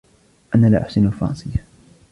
أنا لا أُحسن الفرنسية.